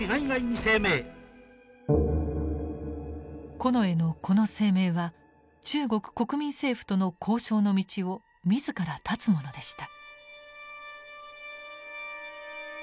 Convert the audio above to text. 近衛のこの声明は中国国民政府との交渉の道を自ら断つものでした。